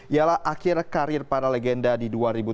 ialah akhir karir para legenda di dua ribu tujuh belas